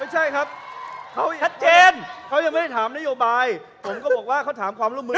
อเจมส์ไม่ใช่ครับเขายังไม่ได้ถามนโยบายผมก็บอกว่าเขาถามความร่วมมือ